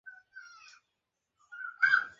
কী বলেন শ্রীশবাবু?